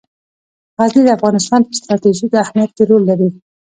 غزني د افغانستان په ستراتیژیک اهمیت کې رول لري.